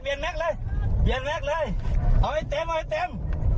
เปลี่ยนแม็กซ์เลยเอาไว้เต็มเอาไว้เต็ม